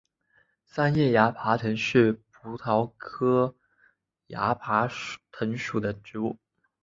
三叶崖爬藤是葡萄科崖爬藤属的植物。